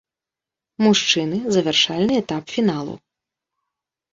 Мужчыны, завяршальны этап фіналу.